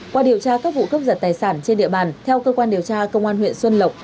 qua điều tra các vụ cướp giật tài sản trên địa bàn theo cơ quan điều tra công an huyện xuân lộc